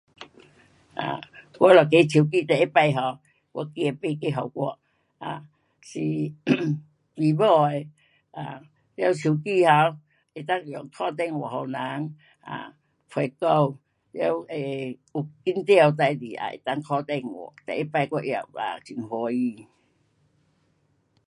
啊，我一个手机，第一次 um 我儿买一个给我。是， [unintelligible] 诗巫的，啊，完，手机 um 能够用打电话给人。啊，陪聊。完，呃，有紧张的事情也能够打电话，第一次我拿啊，很欢喜。